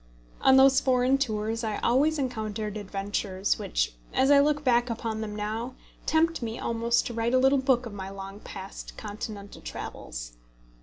On those foreign tours I always encountered adventures, which, as I look back upon them now, tempt me almost to write a little book of my long past Continental travels.